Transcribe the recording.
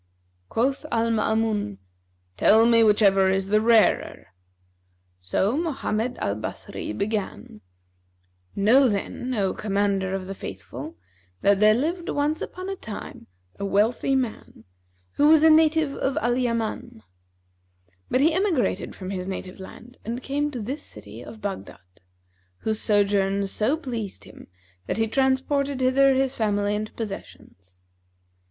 Quoth Al Maamun, "Tell me whichever is the rarer; so Mohammed al Basri began: "Know, then, O Commander of the Faithful that there lived once upon a time wealthy man, who was a native of Al Yaman; but he emigrated from his native land and came to this city of Baghdad, whose sojourn so pleased him that he transported hither his family and possessions.